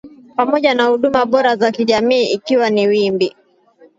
pamoja na huduma bora za kijamii ikiwa ni wimbi